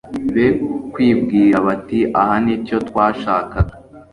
be kwibwira bati aha ni cyo twashakaga